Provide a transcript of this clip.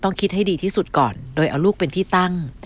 คิดให้ดีที่สุดก่อนโดยเอาลูกเป็นที่ตั้ง